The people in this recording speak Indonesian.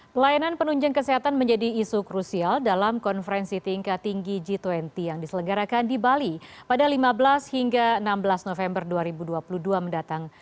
pelayanan penunjang kesehatan menjadi isu krusial dalam konferensi tingkat tinggi g dua puluh yang diselenggarakan di bali pada lima belas hingga enam belas november dua ribu dua puluh dua mendatang